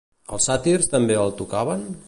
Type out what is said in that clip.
Els sàtirs també el tocaven?